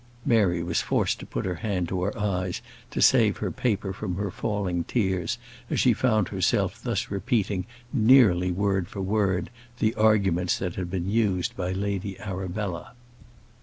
[Mary was forced to put her hand to her eyes, to save her paper from her falling tears, as she found herself thus repeating, nearly word for word, the arguments that had been used by Lady Arabella.